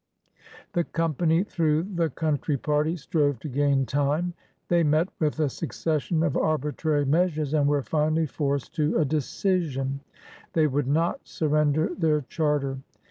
The Company, through the country party, strove to gain time. They met with a succession of ar bitrary measures and were finally forced to a de cision. They would not surrender their charter.